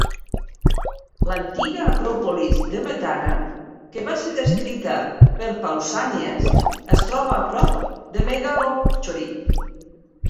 L'antiga Acròpolis de Metana, que va ser descrita per Pausànies, es troba a prop de Megalochori.